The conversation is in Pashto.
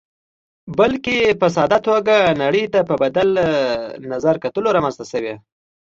بلکې په ساده توګه نړۍ ته په بدل نظر کتلو رامنځته شوې.